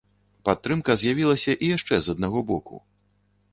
Падтрымка з'явілася і яшчэ з аднаго боку.